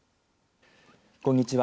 こんにちは。